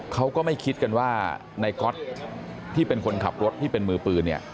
เขาก็ไม่คิดกันว่าในก๊อตที่เป็นคนขับรถที่เป็นมือปืนเนี่ย